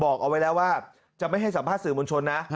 บอกเอาไว้แล้วว่าจะไม่ให้สัมภาษณสื่อมวลชนนะ